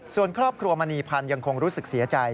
ส่วนครอบครัวมณีพันธ์ยังคงรู้สึกเสียใจ